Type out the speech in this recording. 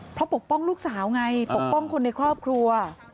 เพราะปกป้องลูกสาวไงปกป้องคนในครอบครัว